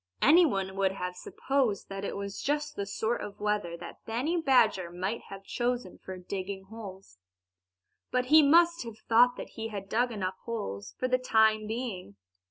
Anyone would have supposed that it was just the sort of weather that Benny Badger might have chosen for digging holes. But he must have thought that he had dug enough holes for the time being.